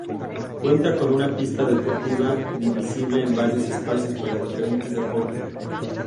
Cuenta con una pista deportiva divisible en varios espacios para diferentes deportes.